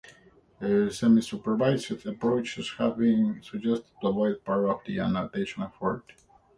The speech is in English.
Semisupervised approaches have been suggested to avoid part of the annotation effort.